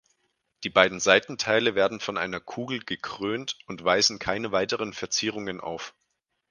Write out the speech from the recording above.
Die beiden Seitenteile werden von einer Kugel gekrönt und weisen keine weiteren Verzierungen auf.